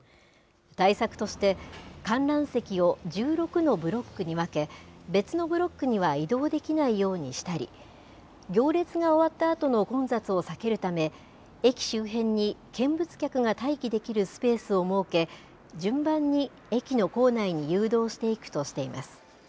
対策として、観覧席を１６のブロックに分け、別のブロックには移動できないようにしたり、行列が終わったあとの混雑を避けるため、駅周辺に見物客が待機できるスペースを設け、順番に駅の構内に誘導していくとしています。